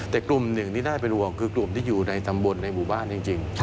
แต่กลุ่มหนึ่งที่น่าเป็นห่วงคือกลุ่มที่อยู่ในตำบลในหมู่บ้านจริง